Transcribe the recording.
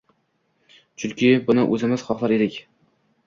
Chunki buni o‘zimiz xohlar edik.